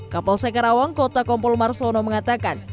kapolsek karawang kota kompol marsono mengatakan